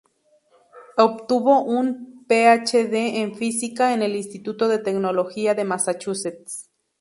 Obtuvo un PhD en física en el Instituto de Tecnología de Massachusetts.